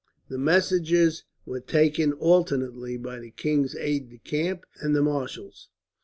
The messages were taken, alternately, by the king's aides de camp and the marshal's.